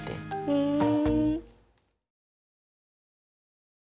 ふん。